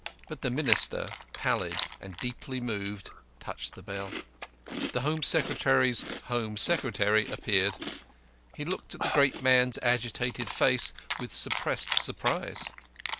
But the Minister, pallid and deeply moved, touched the bell. The Home Secretary's home secretary appeared. He looked at the great man's agitated face with suppressed surprise.